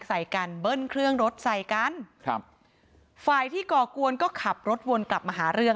ใส่กันเบิ้ลเครื่องรถใส่กันครับฝ่ายที่ก่อกวนก็ขับรถวนกลับมาหาเรื่อง